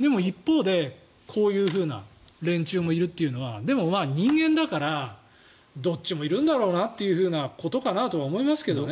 でも一方でこういう連中もいるというのはでも人間だから、どっちもいるんだろうなということかなと思いますけどね。